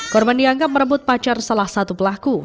korban dianggap merebut pacar salah satu pelaku